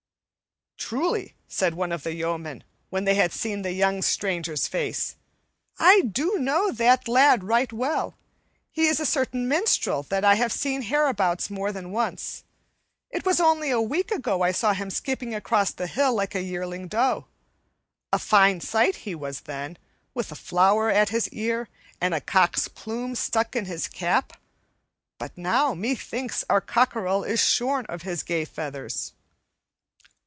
"Truly," said one of the yeomen, when they had seen the young stranger's face, "I do know that lad right well. He is a certain minstrel that I have seen hereabouts more than once. It was only a week ago I saw him skipping across the hill like a yearling doe. A fine sight he was then, with a flower at his ear and a cock's plume stuck in his cap; but now, methinks, our cockerel is shorn of his gay feathers."